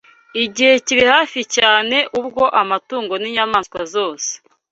igihe kiri hafi cyane ubwo amatungo n’inyamaswa zose